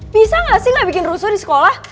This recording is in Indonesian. bisa nggak sih nggak bikin rusuh di sekolah